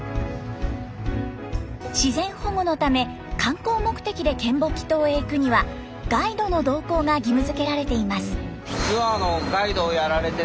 自然保護のため観光目的で嶮暮帰島へ行くにはガイドの同行が義務づけられています。